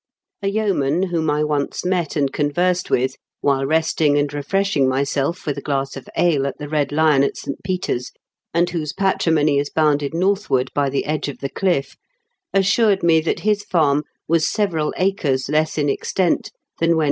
A yeoman whom I once met and conversed with, while resting and refreshing myself with a glass of ale at The Eed Lion at St. Peter's, and whose patrimony is bounded northward by the edge of the cliff, assured me that his farm was several acres less in extent than when